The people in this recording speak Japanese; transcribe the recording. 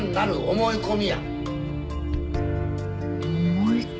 思い込み。